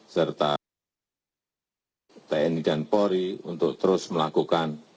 serta tni dan polri untuk terus melakukan